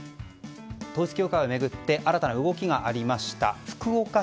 統一教会を巡って新たな動きがありました。